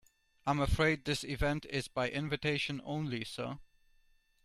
I'm afraid this event is by invitation only, sir.